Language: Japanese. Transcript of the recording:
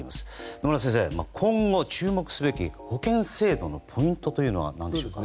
野村先生、今後注目すべき保険制度のポイントは何でしょうか？